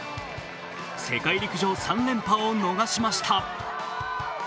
世界陸上３連覇を逃しました。